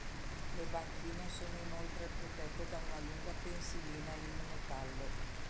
Le banchine sono inoltre protette da una lunga pensilina in metallo.